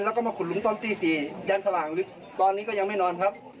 แล้วก็มาขุดหลุมตอนตี๔ยันสว่างลึกตอนนี้ก็ยังไม่นอนครับ